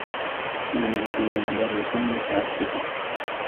كان لديّ مدرّس متعسّف.